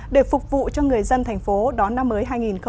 để phục vụ cho người dân thành phố đón năm mới hai nghìn hai mươi